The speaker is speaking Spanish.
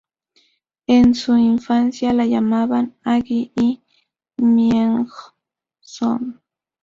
En su infancia la llamaban Agi y Myeong-soon.